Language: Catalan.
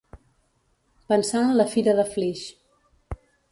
Pensar en la fira de Flix.